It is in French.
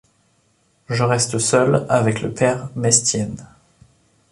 Je reste seul avec le père Mestienne.